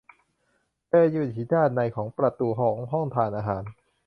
เธอยืนอยู่ที่ด้านในประตูของห้องทานอาหาร